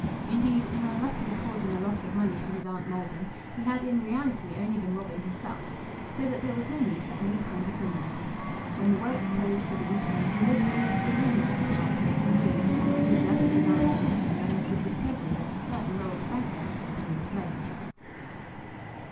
Indeed, in unluckily causing a loss of money to his aunt Maldon he had in reality only been robbing himself. So that there was no need for any kind of remorse. When the works closed for the week end, he walked almost serenely up to Bycars for news news less of his aunt's condition than of the discovery that a certain roll of bank notes had been mislaid.